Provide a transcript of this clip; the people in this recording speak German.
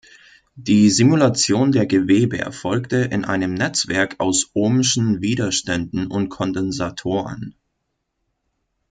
Die Simulation der Gewebe erfolgte in einem Netzwerk aus ohmschen Widerständen und Kondensatoren.